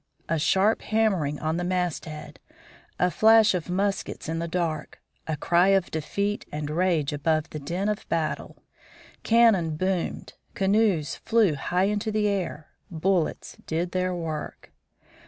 a sharp hammering on the mast head, a flash of muskets in the dark, a cry of defeat and rage above the din of battle! Cannon boomed; canoes flew high into the air; bullets did their work.